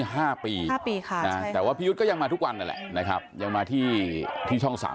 ห้าปีห้าปีค่ะนะแต่ว่าพี่ยุทธก็ยังมาทุกวันนั่นแหละนะครับยังมาที่ที่ช่องสาม